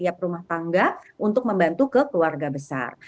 setiap rumah tangga untuk membantu ke keluarga besar